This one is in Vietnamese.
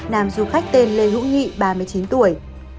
nam du khách tên lê hữu nghị ba mươi chín tuổi